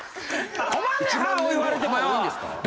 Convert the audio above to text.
困んねん「歯多い」言われてもよ！